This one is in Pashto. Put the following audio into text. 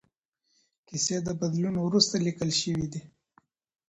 کیسې د بدلون وروسته لیکل شوې دي.